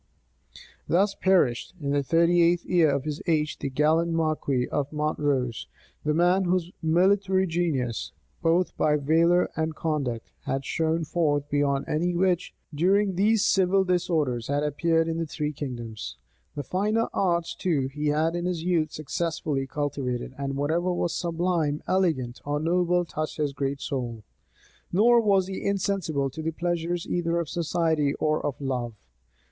Thus perished, in the thirty eighth year of his age, the gallant marquis of Montrose; the man whose military genius both by valor and conduct had shone forth beyond any which, during these civil disorders, had appeared in the three kingdoms. The finer arts, too, he had in his youth successfully cultivated; and whatever was sublime, elegant, or noble touched his great soul. Nor was he insensible to the pleasures either of society or of love.